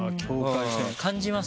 感じます？